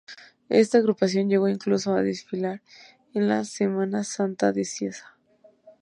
Esta agrupación llegó incluso a desfilar en la Semana Santa de Cieza.